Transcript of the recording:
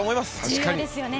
重要ですよね。